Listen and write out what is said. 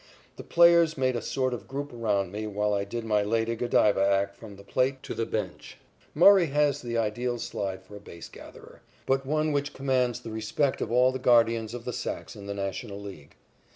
The players made a sort of group around me while I did my Lady Godiva act from the plate to the bench. Murray has the ideal slide for a base gatherer, but one which commands the respect of all the guardians of the sacks in the National League.